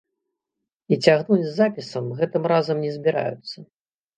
І цягнуць з запісам гэтым разам не збіраюцца!